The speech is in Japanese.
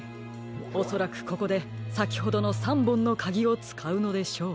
おそらくここでさきほどの３ぼんのかぎをつかうのでしょう。